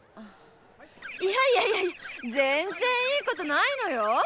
いやいやいやいやぜんぜんいいことないのよ？